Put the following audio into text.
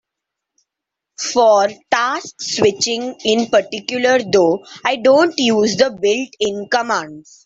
For task switching in particular, though, I don't use the built-in commands.